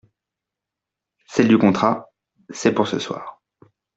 Celle du contrat… c’est pour ce soir.